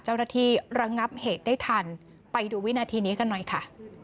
เจ้าหน้าที่ระงับเหตุได้ทันไปดูวินาทีนี้กันหน่อยค่ะ